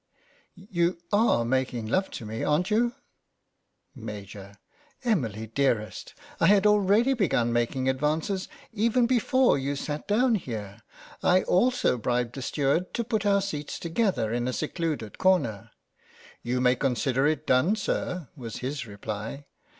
You are making love to me, aren't you ? Maj\ : Emily dearest, I had already begun making advances, even before you sat down here. I also bribed the steward to put our seats together in a secluded corner. You may consider it done, sir," was his reply.